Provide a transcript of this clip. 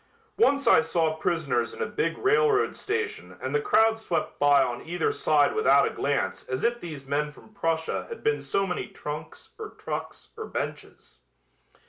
Once I saw prisoners in a big railroad station and the crowds swept by on either side without a glance as if these men from Prussia had been so many trunks or trucks or benches.